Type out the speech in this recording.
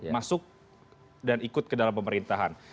masuk dan ikut ke dalam pemerintahan